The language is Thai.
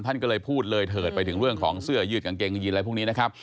ท่านก็เลยพูดเลยเถิดไปถึงเรื่องของเสื้อยืดกางเกงยีนอะไรพวกนี้นะครับ